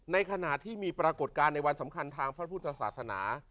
ในขณะที่มีปรากฏการณ์ในวันสำคัญทางพระพุทธศาสนา